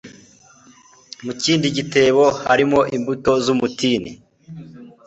mu kindi gitebo harimo imbuto z'umutini